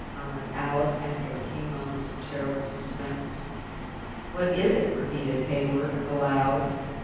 murmured Alice, after a few moments of terrible suspense. "What is it?" repeated Hewyard aloud.